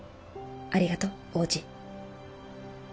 ありがとう王子